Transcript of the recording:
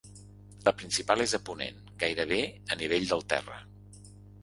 La principal és a ponent, gairebé a nivell del terra.